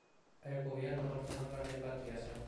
El gobierno ordenó la repatriación.